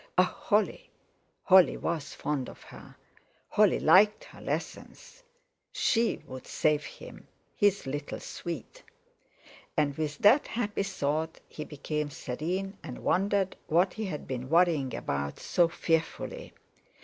Ah! Holly! Holly was fond of her, Holly liked her lessons. She would save him—his little sweet! And with that happy thought he became serene, and wondered what he had been worrying about so fearfully.